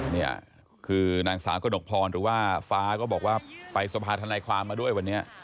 นี่คือนางสาวกระหนกพรหรือว่าฟ้าก็บอกว่าไปสภาธนายความมาด้วยวันนี้